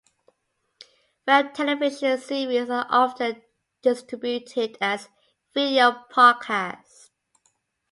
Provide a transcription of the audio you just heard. Web television series are often distributed as video podcasts.